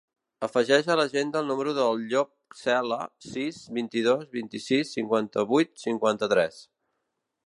Afegeix a l'agenda el número del Llop Cela: sis, vint-i-dos, vint-i-sis, cinquanta-vuit, cinquanta-tres.